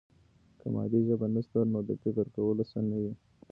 که مادي ژبه نسته، نو د فکر کولو څه نه وي.